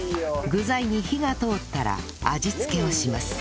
具材に火が通ったら味付けをします